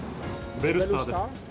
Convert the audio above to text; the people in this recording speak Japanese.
ベルスターです。